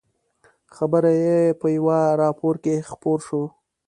خبر یې په یوه راپور کې خپور شو.